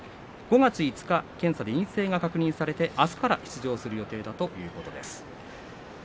５月５日検査で陰性が確認されてあすから出場するということです。